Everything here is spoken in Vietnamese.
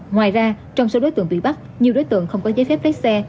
ngoài ra trong số đối tượng bị bắt nhiều đối tượng không có giấy phép lái xe